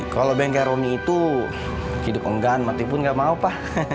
kalau bengke roni itu hidup enggan mati pun gak mau pa